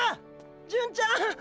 純ちゃん！！